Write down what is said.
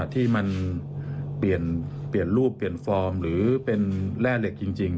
ที่มันเปลี่ยนรูปเปลี่ยนฟอร์มหรือเป็นแร่เหล็กจริง